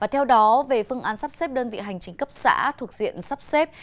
theo đó về phương án sắp xếp đơn vị hành chính cấp xã thuộc diện sắp xếp